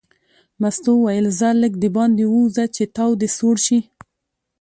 مستو وویل ځه لږ دباندې ووځه چې تاو دې سوړ شي.